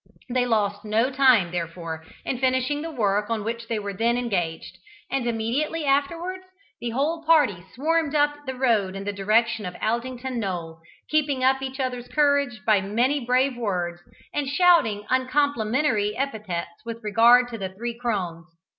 They lost no time, therefore, in finishing the work on which they were then engaged, and immediately afterwards the whole party swarmed up the road in the direction of Aldington Knoll, keeping up each other's courage by many brave words, and shouting uncomplimentary epithets with regard to the three crones.